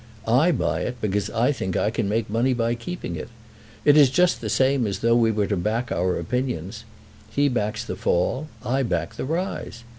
I buy it because I think I can make money by keeping it. It is just the same as though we were to back our opinions. He backs the fall. I back the rise.